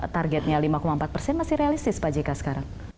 targetnya lima empat persen masih realistis pajika sekarang